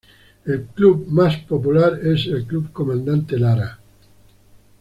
El club Más popular es el Club Comandante Lara.